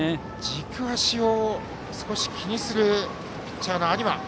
軸足を少し気にするピッチャーの有馬。